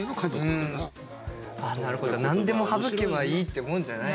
何でも省けばいいってもんじゃない。